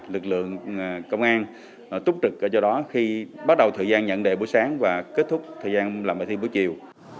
lực lượng công an túc trực do đó khi bắt đầu thời gian nhận đề buổi sáng và kết thúc thời gian làm bài thi buổi chiều